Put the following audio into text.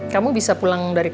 kamu bisa pulang ke rumah